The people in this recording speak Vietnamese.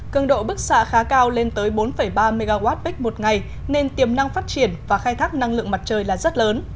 cần độ bức xạ khá cao lên tới bốn ba mwp một ngày nên tiềm năng phát triển và khai thác năng lượng mặt trời là rất lớn